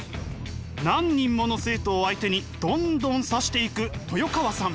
何人もの生徒を相手にどんどん指していく豊川さん。